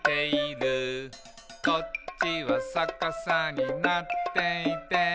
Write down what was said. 「こっちはさかさになっていて」